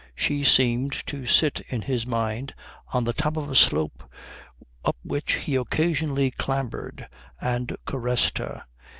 She seemed to sit in his mind on the top of a slope up which he occasionally clambered and caressed her.